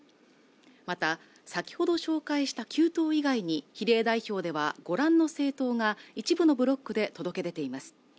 また先ほど紹介した９党以外に比例代表ではご覧の政党が一部のブロックで届け出ています